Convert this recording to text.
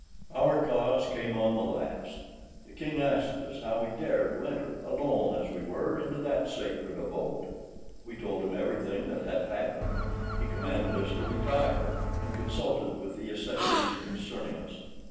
Our cause came on the last. The king asked us how we dared to enter, alone as we were, into that sacred abode. We told him everything that had happened; he commanded us to retire, and consulted with the assessors concerning us.